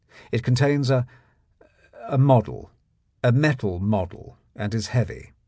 "It contains a — a model, a metal model, and is heavy.